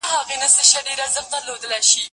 زه به کتابتوننۍ سره وخت تېره کړی وي!؟